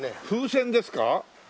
風船ですか？